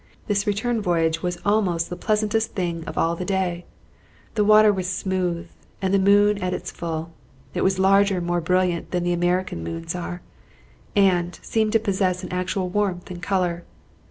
This return voyage was almost the pleasantest thing of all the day. The water was smooth, the moon at its full. It was larger and more brilliant than American moons are, and seemed to possess an actual warmth and color.